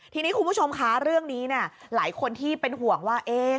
ทีนี้คุณผู้ชมคะเรื่องนี้หลายคนที่เป็นห่วงว่า